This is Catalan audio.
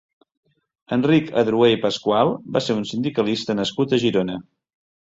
Enric Adroher i Pascual va ser un sindicalista nascut a Girona.